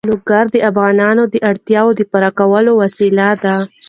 لوگر د افغانانو د اړتیاوو د پوره کولو وسیله ده.